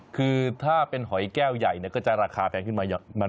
คือถ้าเป็นหอยแก้วใหญ่เราก็จะราคาแพงขึ้นมาหน่อยหนึ่ง